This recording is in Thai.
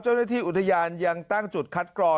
เจ้าหน้าที่อุทยานยังตั้งจุดคัดกรอง